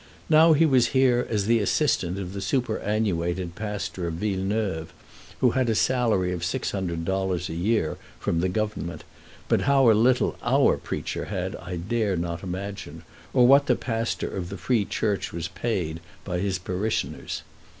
Now he was here as the assistant of the superannuated pastor of Villeneuve, who had a salary of $600 a year from the Government; but how little our preacher had I dare not imagine, or what the pastor of the Free Church was paid by his parishioners.